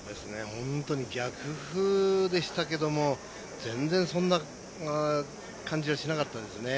本当に逆風でしたけども全然、そんな感じはしなかったですね。